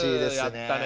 やったね。